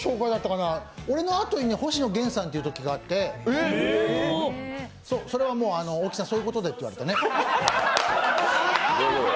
俺のあとに星野源さんというときがあって、それはもう、「大木さん、そういうことで」って言われてね。